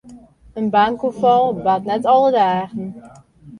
In bankoerfal bart net alle dagen.